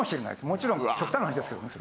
もちろん極端な話ですけどね。